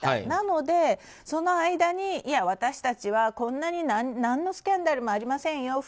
なので、その間にいや私たちは、こんなに何のスキャンダルもありませんよ